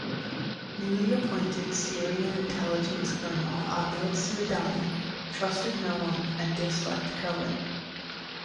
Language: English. Newly appointed Syrian Intelligence Colonel Ahmed Su'edani trusted no one and disliked Cohen.